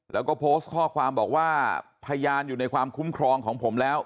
แล้วก็โพสต์ข้อความบอกว่าพยานอยู่ในความคุ้มครองของผมแล้ว